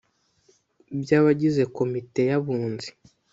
by abagize komite y abunzi